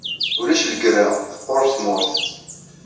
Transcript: Ulac lgerra, teqqur tmurt.